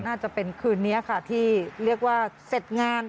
น่าจะเป็นคืนนี้ค่ะที่เรียกว่าเสร็จงาน